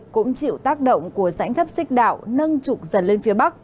cũng chịu tác động của rãnh thấp xích đạo nâng trục dần lên phía bắc